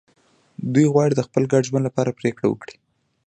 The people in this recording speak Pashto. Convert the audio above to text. دوی غواړي د خپل ګډ ژوند لپاره پرېکړه وکړي.